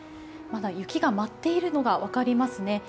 まだ雪が舞っているのが分かりますね。